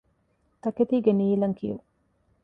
ތަކެތީގެ ނީލަންކިޔުން